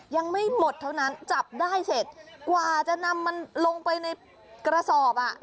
ยังไม่หมดเท่านั้นจับได้เสร็จกว่าจะนำมันลงไปในกระสอบอ่ะ